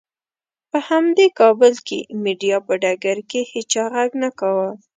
په همدې کابل کې مېډیا په ډګر کې هېچا غږ نه کاوه.